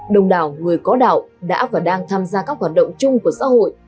đồng đảo người có đạo đã và đang tham gia các hoạt động chung của xã hội